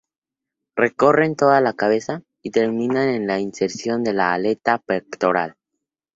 Recorren toda la cabeza, y terminan en la inserción de la aleta pectoral.